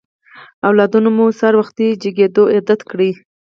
اولادونه مو په سهار وختي جګېدو عادت کړئ.